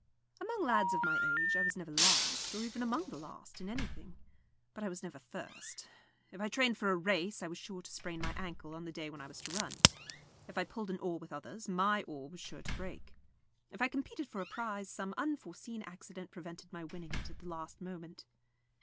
Among lads of my age I was never last, or even among the last, in anything; but I was never first. If I trained for a race, I was sure to sprain my ankle on the day when I was to run. If I pulled an oar with others, my oar was sure to break. If I competed for a prize, some unforseen accident prevented my winning it at the last moment.